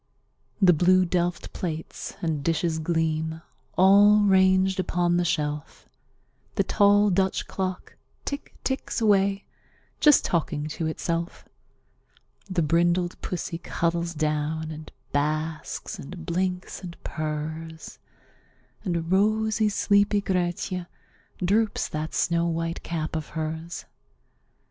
The blue delft plates and dishes gleam, all ranged upon the shelf; The tall Dutch clock tick ticks away, just talking to itself; The brindled pussy cuddles down, and basks and blinks and purrs; And rosy, sleepy Grietje droops that snow white cap of hers.